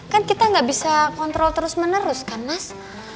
kan kita nggak bisa kontrol terus menerus kan mas